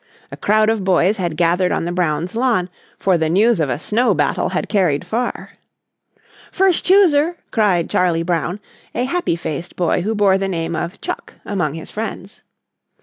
A crowd of boys had gathered on the Brown's lawn, for the news of a snow battle had carried far. "First chooser!" cried Charley Brown, a happy faced boy who bore the name of "Chuck" among his friends.